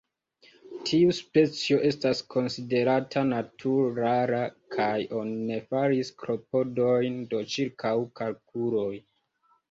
Tiu specio estas konsiderata nature rara, kaj oni ne faris klopodojn de ĉirkaŭkalkuloj.